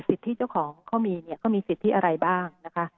สิทธิ์ที่เจ้าของเขามีเนี่ยก็มีสิทธิ์ที่อะไรบ้างนะคะ